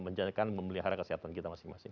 menjalankan memelihara kesehatan kita masing masing